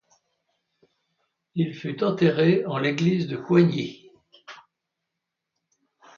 Il fut enterré en l'église de Coigny.